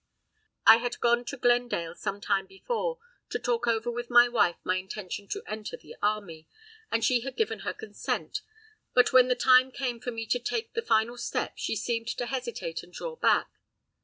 I had gone to Glendale some time before to talk over with my wife my intention to enter the army, and she had given her consent; but when the time came for me to take the final step she seemed to hesitate and draw back.